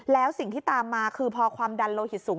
แล้วสิ่งที่ตามมาคือพอความดันโลหิตสูง